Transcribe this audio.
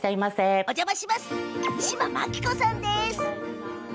嶋真紀子さんです。